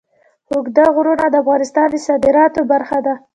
اوږده غرونه د افغانستان د صادراتو برخه ده.